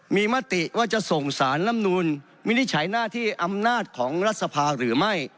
มีมติว่าจะส่งสารลำนูลวินิจฉัยหน้าที่อำนาจของรัฐสภาหรือไม่